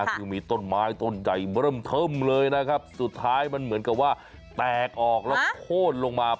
คือมีต้นไม้ต้นใหญ่เริ่มเทิมเลยนะครับสุดท้ายมันเหมือนกับว่าแตกออกแล้วโค้นลงมา